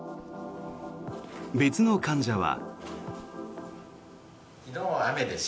別の患者は。